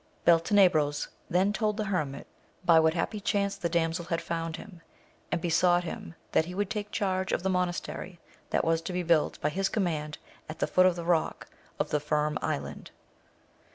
Beltene bros then told the hermit by what happy chance the damsel had found him, and besought him that he would take charge of the monastery that was to be built by his command at the foot of the rock of the Firm Island.